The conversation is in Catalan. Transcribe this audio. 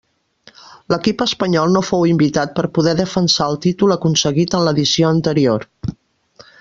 L'equip espanyol no fou invitat per poder defensar el títol aconseguit en l'edició anterior.